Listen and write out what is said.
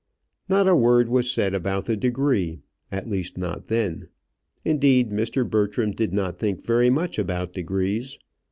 Not a word was said about the degree at least, not then. Indeed Mr. Bertram did not think very much about degrees.